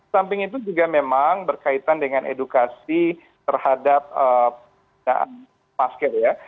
samping itu juga memang berkaitan dengan edukasi terhadap pasca